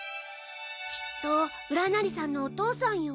きっとうらなりさんのお父さんよ。